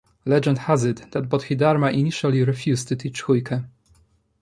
Legend has it that Bodhidharma initially refused to teach Huike.